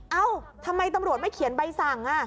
เอ้าทำไมตำรวจไม่เขียนใบสั่ง